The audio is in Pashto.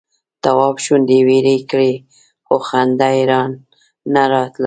تواب شونډې ويړې کړې خو خندا یې نه راتله.